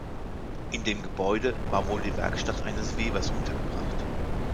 In dem Gebäude war wohl die Werkstatt eines Webers untergebracht.